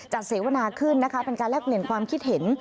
เสวนาขึ้นนะคะเป็นการแลกเปลี่ยนความคิดเห็น